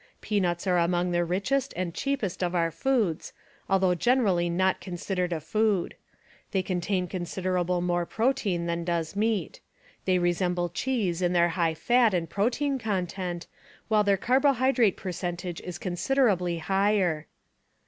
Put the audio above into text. Peanuts are among the richest and cheapest of our foods, although generally not considered a food. They contain considerable more protein than does meat. They resemble cheese in their high fat and protein content, while their carbohydrate percentage is considerably higher.